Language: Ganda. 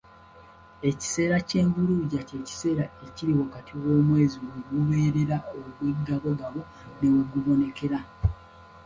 Ekiseera ky’envuluugya kye'kiseera ekiri wakati w’omwezi we gubeerera ogw’eggabogabo ne we gubonekera.